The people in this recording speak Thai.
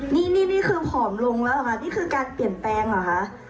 นี่นี่คือผอมลงแล้วเหรอคะนี่คือการเปลี่ยนแปลงเหรอคะ